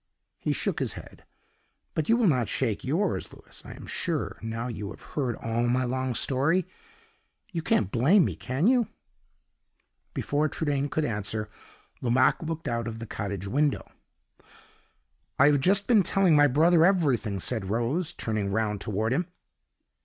He shook his head; but you will not shake yours, Louis, I am sure, now you have heard all my long story? You can't blame me can you?" Before Trudaine could answer, Lomaque looked out of the cottage window. "I have just been telling my brother every thing," said Rose, turning round toward him.